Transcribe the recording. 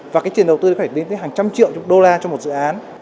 và cái chuyển đầu tư nó phải đến tới hàng trăm triệu đô la cho một dự án